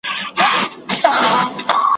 نه په ژمي نه په اوړي څوک آرام وو ,